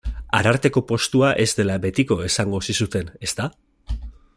Ararteko postua ez dela betiko esango zizuten, ezta?